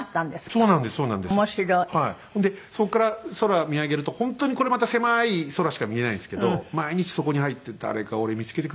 それでそこから空を見上げると本当にこれまた狭い空しか見えないんですけど毎日そこに入って「誰か俺見付けてくんねえかな